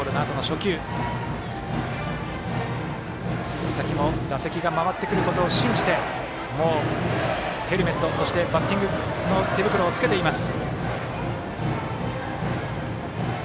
佐々木も打席が回ってくることを信じてもうヘルメットそしてバッティングの手袋をつけています。